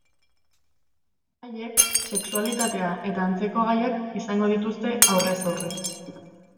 Haiek sexualitatea eta antzeko gaiak izango dituzte aurrez aurre.